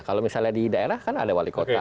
kalau misalnya di daerah kan ada wali kota